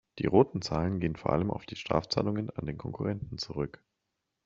Die roten Zahlen gehen vor allem auf die Strafzahlungen an den Konkurrenten zurück.